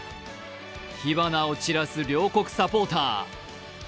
火花を散らす両国サポーター。